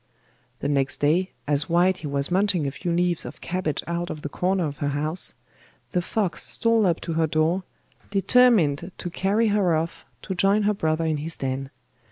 The next day, as Whitey was munching a few leaves of cabbage out of the corner of her house, the fox stole up to her door, determined to carry her off to join her brother in his den.